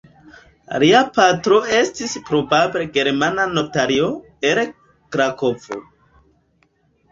Lia patro estis probable germana notario el Krakovo.